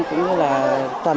cũng như là khó khăn